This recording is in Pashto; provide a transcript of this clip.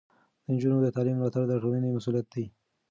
د نجونو د تعلیم ملاتړ د ټولنې مسؤلیت دی.